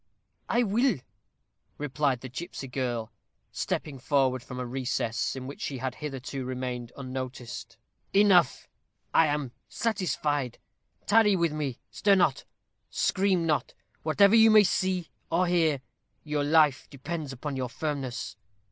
"I will," replied the gipsy girl, stepping forward from a recess, in which she had hitherto remained unnoticed. "Enough. I am satisfied. Tarry with me. Stir not scream not, whatever you may see or hear. Your life depends upon your firmness.